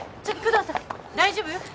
大丈夫？